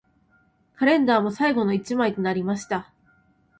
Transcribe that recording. カレンダーも最後の一枚となりました